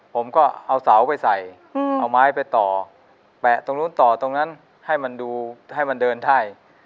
ผมก็เอาเสาไปใส่เอาไม้ไปต่อแปะตรงนู้นต่อตรงนั้นให้มันดูให้มันเดินได้